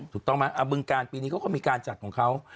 ถูกต้องไหมบึงการปีนี้เขาก็มีการจัดของเขา